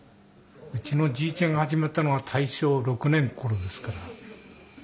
うちのじいちゃんが始まったのは大正６年ごろですから。